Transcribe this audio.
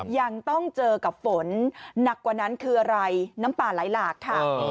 ยังต้องเจอกับฝนหนักกว่านั้นคืออะไรน้ำป่าไหลหลากค่ะ